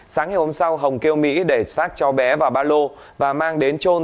sáng ngày hôm sau hồng kêu mỹ để xác cho bé vào ba lô và mang đến trôn